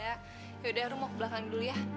yaudah lo mau ke belakang dulu ya